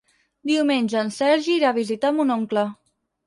Diumenge en Sergi irà a visitar mon oncle.